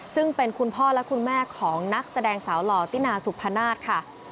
ซึ่งเป็นคุณพ่อและคุณแม่ของนักแสดงสาวหล่อตินาสุพนาศค่ะ